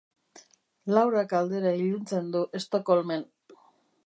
Laurak aldera iluntzen du Stockholmen.